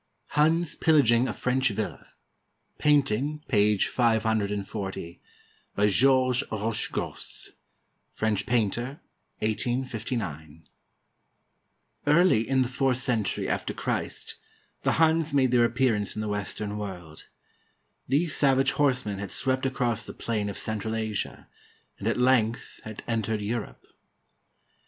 I HUNS PILLAGING A FRENCH VILLA HUNS PILLAGING A FRENCH VILLA BY GEORGES ROCHEGROSSE { (French painter, 1859) Early in the fourth century after Christ, the Huns made their appearance in the Western world. These savage horse men had swept across the plain of Central Asia, and at length had entered Europe.